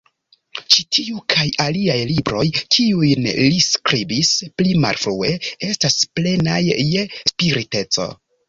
Ĉi tiu kaj aliaj libroj, kiujn li skribis pli malfrue, estas plenaj je spiriteco.